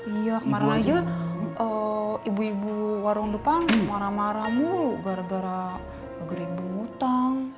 iya kemarin aja ibu ibu warung depan marah marah bu gara gara ngeribut utang